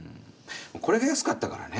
これが安かったからね。